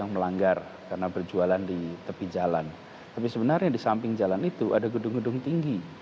melanggar karena berjualan di tepi jalan tapi sebenarnya di samping jalan itu ada gedung gedung tinggi